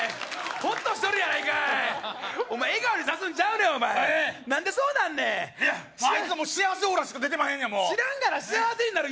ホッとしとるやないかい笑顔にさすんちゃうねんお前何でそうなんねんあいつはもう幸せオーラしか出てまへんねんもう知らんがな「幸せになる」